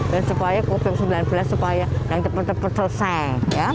dan supaya covid sembilan belas supaya yang tepat tepat selesai